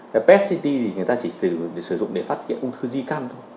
cái pet ct thì người ta chỉ sử dụng để phát hiện ung thư di căn thôi